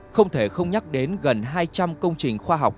không thể không nhắc đến gần hai trăm linh công trình khoa học